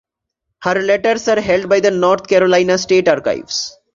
Her letters are held by the North Carolina State Archives.